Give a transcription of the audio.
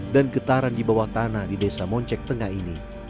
dan getaran di bawah tanah di desa moncek tengah ini